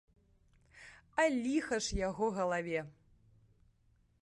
А ліха ж яго галаве!